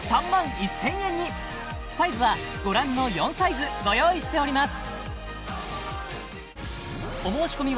サイズはご覧の４サイズご用意しております